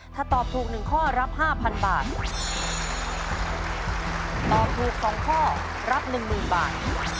ถ้าตอบถูกหนึ่งข้อรับห้าพันบาทตอบถูกสองข้อรับหนึ่งหมื่นบาท